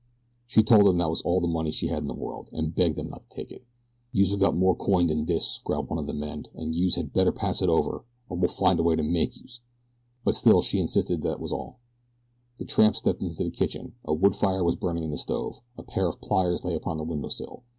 She told them that that was all the money she had in the world, and begged them not to take it. "Youse've got more coin dan dis," growled one of the men, "an' youse had better pass it over, or we'll find a way to make youse." But still she insisted that that was all. The tramp stepped into the kitchen. A wood fire was burning in the stove. A pair of pliers lay upon the window sill.